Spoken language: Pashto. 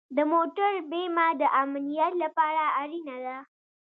د موټر بیمه د امنیت لپاره اړینه ده.